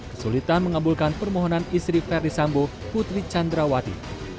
kesulitan mengabulkan permohonan istri verdi sambo putri candrawati